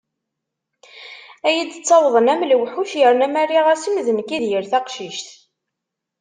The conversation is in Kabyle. Ad iyi-d-ttawḍen am lewḥuc yerna ma rriɣ-asen d nekk i d yir taqcict.